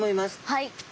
はい。